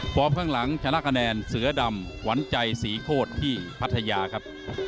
ข้างหลังชนะคะแนนเสือดำขวัญใจศรีโคตรที่พัทยาครับ